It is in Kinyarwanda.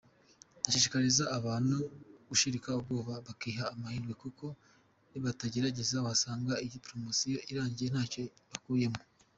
Nashishikariza abantu gushirika ubwoba bakiha amahirwe, kuko nibatagerageza wasanga iyi promosiyo irangiye ntacyo bakuyemo.